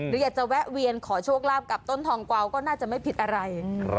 หรืออยากจะแวะเวียนขอโชคลาภกับต้นทองกวาวก็น่าจะไม่ผิดอะไร